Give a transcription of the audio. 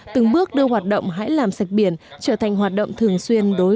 từng bước đưa hoạt động hãy làm sạch biển trở thành hoạt động thường xuyên đối với cộng đồng